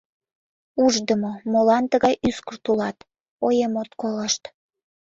— Ушдымо, молан тыгай ӱскырт улат, оем от колышт?